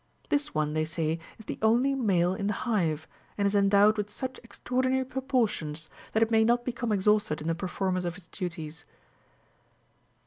This one, they say, is the only male48 in the hive, and is endowed with such ex traordinary proportions, that it may not become exhausted in the performance of its duties.